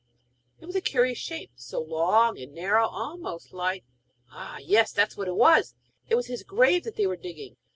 It was a curious shape, so long and narrow, almost like Ah! yes, that was what it was! It was his grave that they were digging!